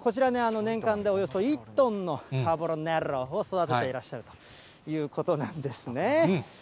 こちら、年間およそ１トンのカーボロネロを育ててらっしゃるということなんですね。